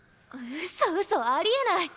うそうそありえない。